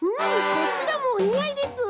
こちらもおにあいです！